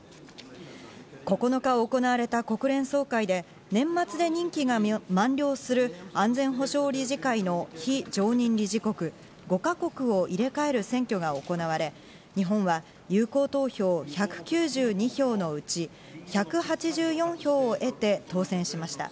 ９日行われた国連総会で、年末で任期が満了する安全保障理事会の非常任理事国５か国を入れ替える選挙が行われ、日本は有効投票１９２票のうち、１８４票を得て当選しました。